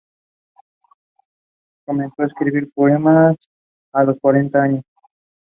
It works regularly with the Ukiah Daily Journal.